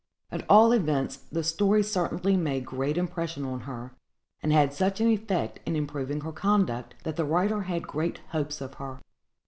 At all events, the story certainly made great impression on her, and had such an effect in improving her conduct, that the writer had great hopes of her.